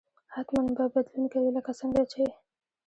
حتما به بدلون کوي لکه څنګه چې